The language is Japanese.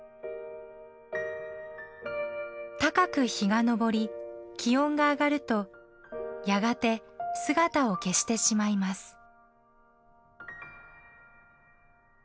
高く日が昇り気温が上がるとやがて姿を消してしまいます。